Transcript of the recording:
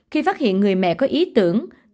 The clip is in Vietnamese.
khi phát hiện người mẹ có ý tưởng